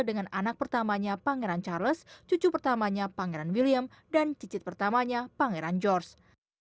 dengan anak pertamanya pangeran charles cucu pertamanya pangeran william dan cicit pertamanya pangeran george